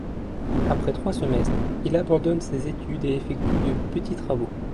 Après trois semestres, il abandonne ses études et effectue des petits travaux.